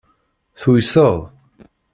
Tuyseḍ.